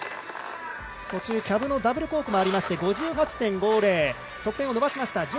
途中、キャブのダブルコークもありまして５８．５０得点を伸ばしました